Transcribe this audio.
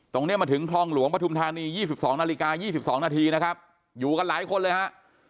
ตรงนี้มาถึงคลองหลวงปฐุมธานี๒๒นาฬิกา๒๒นาทีนะครับอยู่กันหลายคนเลยฮะ